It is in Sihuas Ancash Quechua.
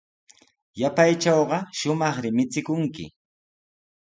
Yapaytrawqa shumaqri michikunki.